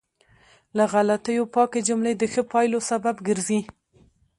له غلطیو پاکې جملې د ښه پایلو سبب ګرځي.